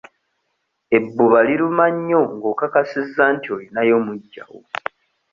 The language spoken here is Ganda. Ebbuba liruma nnyo ng'okakasizza nti olinayo muggyawo.